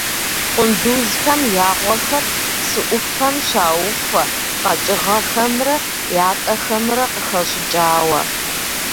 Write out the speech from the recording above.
Къундузхэм я гъуэхэр псы Ӏуфэм щаухуэ къэкӀыгъэхэмрэ ятӀэхэмрэ къыхэщӀыкӀауэ.